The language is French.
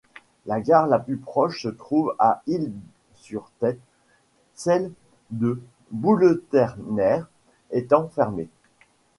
La gare la plus proche se trouve à Ille-sur-Têt, celle de Bouleternère étant fermée.